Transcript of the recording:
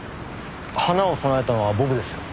花を供えたのは僕ですよ。